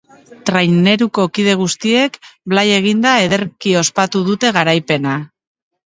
Traineruko kide guztiek blai eginda ederki ospatu dute garaipena.